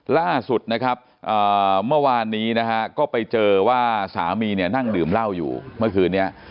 ล่าสุดเมื่อวานนี้ก็ไปเจอว่าสามีนั่งดื่มเหล้าอยู่เมื่อคืนนี้